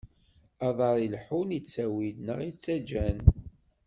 Aḍaṛ ileḥḥun ittawi-d, neɣ ittaǧǧa-n.